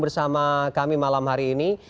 bersama kami malam hari ini